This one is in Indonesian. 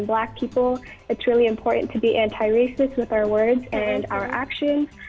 agak penting untuk berbicara dengan cara kita dan beraksi kita untuk menjadi anti rasis